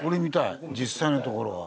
実際のところは。